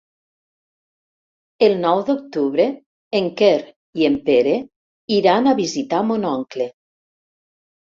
El nou d'octubre en Quer i en Pere iran a visitar mon oncle.